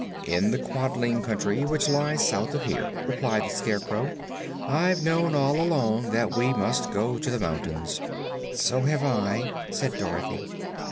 "In the Quadling Country, which lies south of here," replied the Scarecrow. "I've known all along that we must go to the mountains." "So have I," said Dorothy.